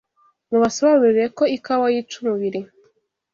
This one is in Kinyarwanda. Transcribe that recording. Mubasobanurire ko ikawa yica umubiri